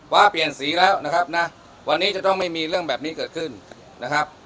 เปลี่ยนสีแล้วนะครับนะวันนี้จะต้องไม่มีเรื่องแบบนี้เกิดขึ้นนะครับ